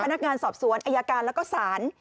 พนักงานสอบสวนอายการแล้วก็ศาล